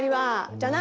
じゃあ何？